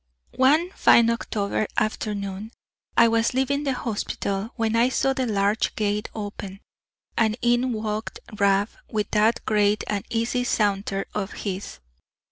One fine October afternoon, I was leaving the hospital, when I saw the large gate open, and in walked Rab with that great and easy saunter of his.